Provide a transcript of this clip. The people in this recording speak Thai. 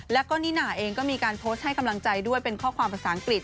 แล้วก็นิน่าเองก็มีการโพสต์ให้กำลังใจด้วยเป็นข้อความภาษาอังกฤษ